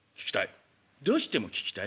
「どうしても聞きたい？」。